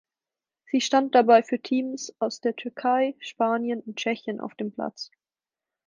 Sie stand dabei für Teams aus der Türkei, Spanien und Tschechien auf dem Platz.